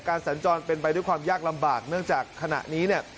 สัญจรเป็นไปด้วยความยากลำบากเนื่องจากขณะนี้เนี่ย